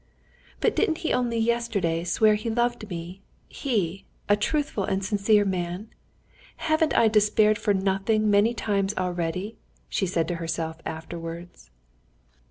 "But didn't he only yesterday swear he loved me, he, a truthful and sincere man? Haven't I despaired for nothing many times already?" she said to herself afterwards.